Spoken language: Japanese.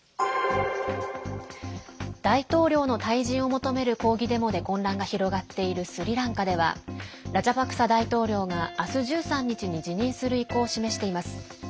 大統領の退陣を求める抗議デモで混乱が広がっているスリランカではラジャパクサ大統領があす１３日に辞任する意向を示しています。